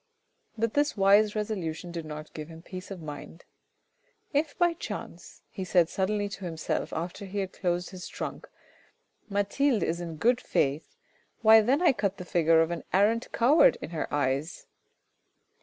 But this wise resolution did not give him peace of mind. " If by chance," he suddenly said to himself after he had closed his trunk, " Mathilde is in good faith, why then I cut the figure of an arrant coward in her eyes.